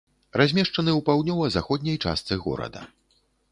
Размешчаны ў паўднёва-заходняй частцы горада.